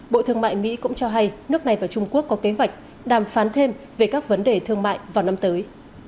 bộ thương mại mỹ cũng cho hay nước này và trung quốc có kế hoạch đàm phán thêm về các vấn đề thương mại vào năm tới